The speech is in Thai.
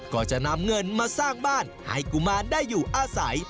ก็จะนำเงินมาสร้างบ้านให้กุมารได้อยู่อาศัย